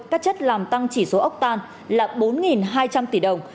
các chất làm tăng chỉ số ốc tan là bốn hai trăm linh tỷ đồng